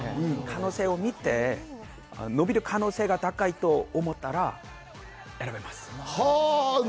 可能性を見て、伸びる可能性が高いと思ったら選びます。